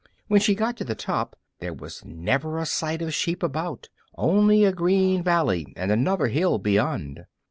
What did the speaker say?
When she got to the top there was never a sight of sheep about only a green valley and another hill beyond.